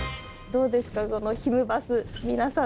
どうですか？